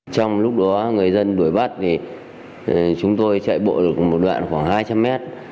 trong lúc đó người dân đuổi bắt thì chúng tôi chạy bộ được một đoạn khoảng hai trăm linh mét